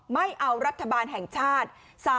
ไม่เอารัฐบาลแห่งชาติ